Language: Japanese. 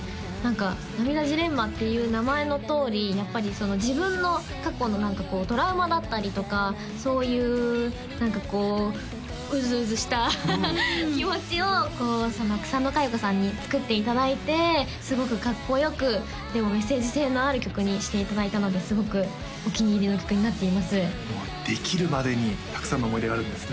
「ナミダジレンマ」っていう名前のとおりやっぱり自分の過去のトラウマだったりとかそういう何かこうウズウズした気持ちを草野華余子さんに作っていただいてすごくかっこよくでもメッセージ性のある曲にしていただいたのですごくお気に入りの曲になっていますできるまでにたくさんの思い出があるんですね